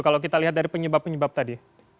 kalau kita lihat dari penyebab penyebab tadi